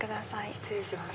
失礼します。